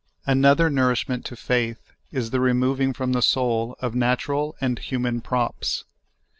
Another nourishment to faith is the removing from the soul of natural and human props.